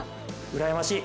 うらやましい。